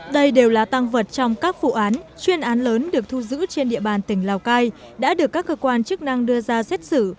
đây đều là tăng vật trong các vụ án chuyên án lớn được thu giữ trên địa bàn tỉnh lào cai đã được các cơ quan chức năng đưa ra xét xử